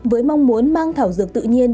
với mong muốn mang thảo dược tự nhiên